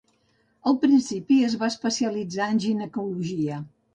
Al principi es va especialitzar en ginecologia.